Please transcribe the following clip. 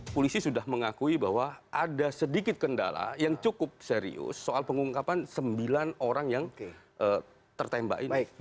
polisi sudah mengakui bahwa ada sedikit kendala yang cukup serius soal pengungkapan sembilan orang yang tertembak ini